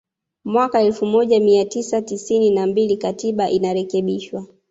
Mwaka elfu moja mia tisa tisini na mbili Katiba inarekebishwa